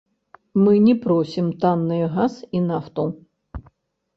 Мы не просім танныя газ і нафту.